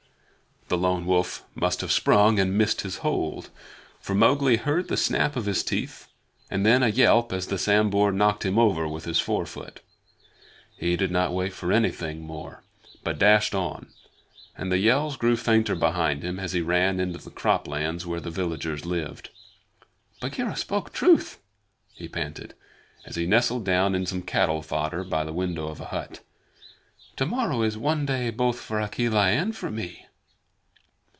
The Lone Wolf must have sprung and missed his hold, for Mowgli heard the snap of his teeth and then a yelp as the Sambhur knocked him over with his forefoot. He did not wait for anything more, but dashed on; and the yells grew fainter behind him as he ran into the croplands where the villagers lived. "Bagheera spoke truth," he panted, as he nestled down in some cattle fodder by the window of a hut. "To morrow is one day both for Akela and for me."